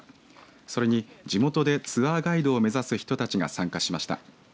それに、地元でツアーガイドを目指す人たちが参加しました。